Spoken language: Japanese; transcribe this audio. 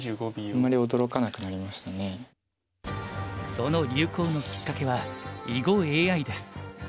その流行のきっかけは囲碁ＡＩです。